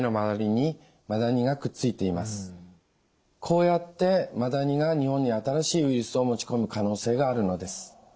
こうやってマダニが日本に新しいウイルスを持ち込む可能性があるのです。